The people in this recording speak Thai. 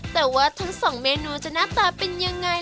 แต่ว่าทั้งสองเมนูจะหน้าตาเป็นยังไง